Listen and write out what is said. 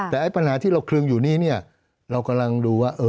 แต่ปัญหาที่เราคลึงอยู่นี่เรากำลังดูว่า